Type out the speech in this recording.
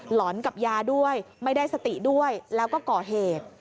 หอนกับยาด้วยไม่ได้สติด้วยแล้วก็ก่อเหตุ